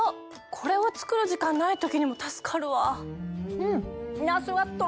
これは作る時間ない時にも助かるわ。